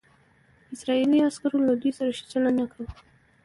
اسرائیلي عسکرو له دوی سره ښه چلند نه کاوه.